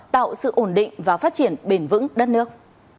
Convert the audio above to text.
tạo sự ổn định và phát triển bền vững đất nước